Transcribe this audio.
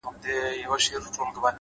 هره ورځ د نوي پیل امکان لري؛